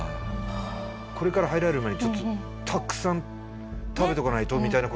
これから入られる前にちょっとたくさん食べておかないとみたいな事。